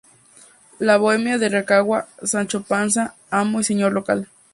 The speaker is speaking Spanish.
La bohemia en Rancagua: Sancho Panza, amo y señor local.